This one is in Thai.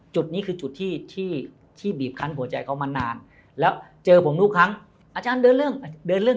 จุดนี้คือจุดที่ที่บีบคันหัวใจเขามานานแล้วเจอผมทุกครั้งอาจารย์เดินเรื่องเดินเรื่อง